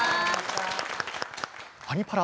「アニ×パラ」